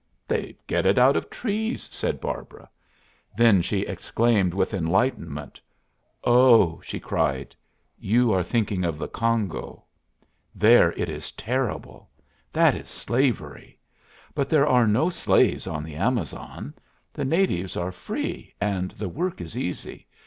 "They get it out of trees," said Barbara. Then she exclaimed with enlightenment "Oh!" she cried, "you are thinking of the Congo. There it is terrible! That is slavery. But there are no slaves on the Amazon. The natives are free and the work is easy.